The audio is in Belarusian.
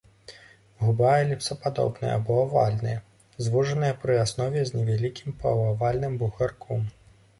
Губа эліпсападобная або авальная, звужаная пры аснове, з невялікім паўавальным бугарком.